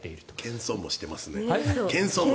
謙遜もしていますね。